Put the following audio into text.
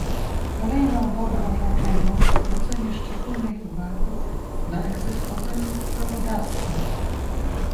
Kolejną dobrą rzeczą jest zwrócenie szczególnej uwagi na egzekwowanie prawodawstwa